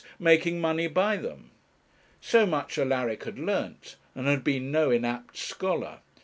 making money by them. So much Alaric had learnt, and had been no inapt scholar.